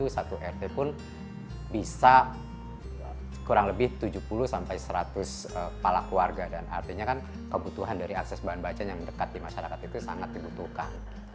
satu rt pun bisa kurang lebih tujuh puluh sampai seratus kepala keluarga dan artinya kan kebutuhan dari akses bahan bacaan yang dekat di masyarakat itu sangat dibutuhkan